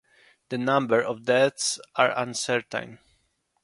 The number of deaths is uncertain.